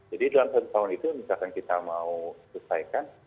jadi dalam satu tahun itu misalkan kita mau selesaikan